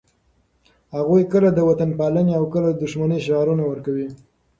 هغوی کله د وطنپالنې او کله د دښمنۍ شعارونه ورکوي.